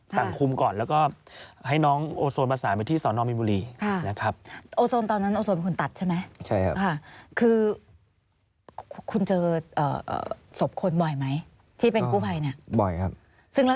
สั่งคลุมก่อนแล้วก็ให้น้องโอโซนปราสาทไปที่สอน